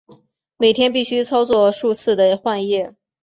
每天必须操作数次的换液。